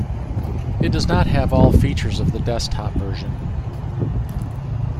It does not have all features of the desktop version.